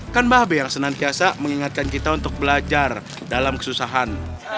kan mbah be yang senang biasa mengingatkan kita untuk belajar dalam kesusahan